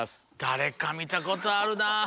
誰か見たことあるなぁ。